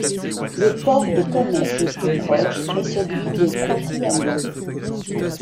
Le port de commerce le plus proche est celui de Propriano.